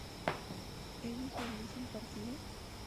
¿ellos hubiesen partido?